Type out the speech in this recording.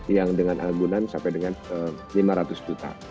yang dengan agunan sampai dengan lima ratus juta